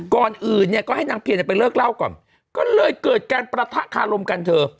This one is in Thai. ก่อนอื่นเนี่ยก็ให้นางเพียนไปเลิกเล่าก่อนก็เลยเกิดการประทะคารมกันเธอ